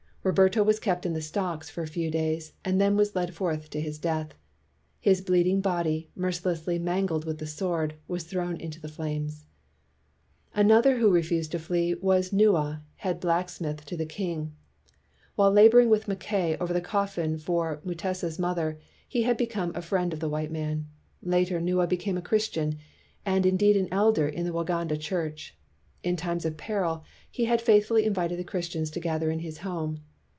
Roberto was kept in the stocks for a few days, and then was led forth to his death. His bleeding body, mercilessly mangled with the sword, was thrown into the flames. Another who refused to flee was Nua, head blacksmith to the king. While labor ing with Mackay over the coffin for Mu tesa's mother, he had become a friend of the white man. Later, Nua became a Chris tian and indeed an elder in the Waganda church. In times of peril, he had faithfully invited the Christians to gather in his home.